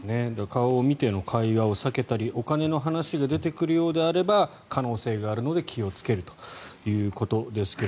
顔を見ての会話を避けたりお金の話が出てくるようであれば可能性があるので気をつけるということですが